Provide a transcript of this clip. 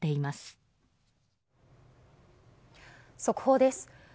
速報です。